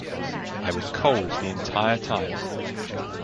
I was cold the entire time.